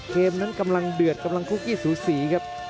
เกมนั้นกำลังเดือดกำลังคุกกี้สูสีครับ